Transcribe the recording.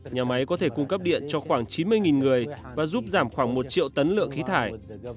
nhà máy có thể cung cấp điện cho khoảng chín mươi người và giúp giảm khoảng một triệu tấn lượng khí thải